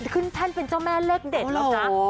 แท่นเป็นเจ้าแม่เลขเด็ดแล้วนะ